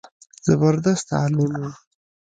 زبردست عالم و.